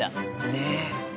ねえ！